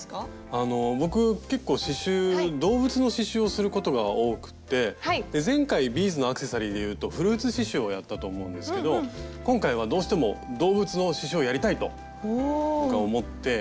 あの僕結構刺しゅう動物の刺しゅうをすることが多くってで前回ビーズのアクセサリーでいうと「フルーツ刺しゅう」をやったと思うんですけど今回はどうしても動物の刺しゅうをやりたいと僕は思って。